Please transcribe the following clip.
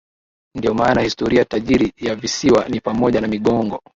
Ndio maana historia tajiri ya visiwa ni pamoja na migogoo